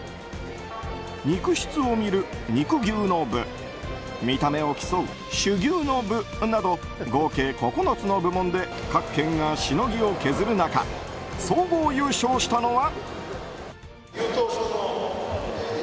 肉質を見る肉牛の部見た目を競う種牛の部など合計９つの部門で各県がしのぎを削る中総合優勝したのは。